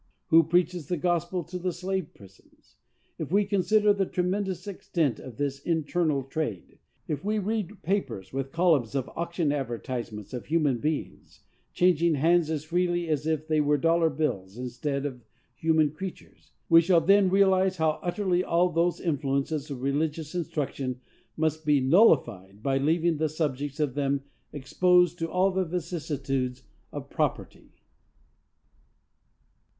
Who preaches the gospel in the slave prisons? If we consider the tremendous extent of this internal trade,—if we read papers with columns of auction advertisements of human beings, changing hands as freely as if they were dollar bills instead of human creatures,—we shall then realize how utterly all those influences of religious instruction must be nullified by leaving the subjects of them exposed "to all the vicissitudes of property."